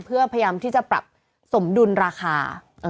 เพื่อพยายามที่จะปรับสมดุลราคา